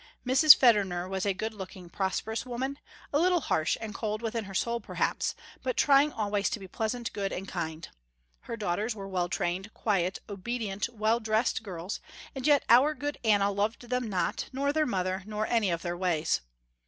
Mrs. Federner was a good looking, prosperous woman, a little harsh and cold within her soul perhaps, but trying always to be pleasant, good and kind. Her daughters were well trained, quiet, obedient, well dressed girls, and yet our good Anna loved them not, nor their mother, nor any of their ways.